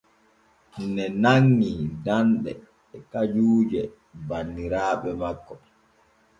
Ŋee nanŋi danɗe et kajuuje banniraaɓe makko.